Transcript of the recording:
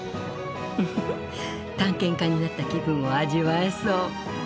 うふふ探検家になった気分を味わえそう。